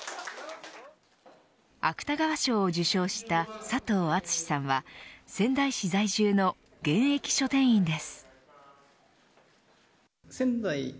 芥川賞を受賞した佐藤厚志さんは仙台市在住の現役書店員です。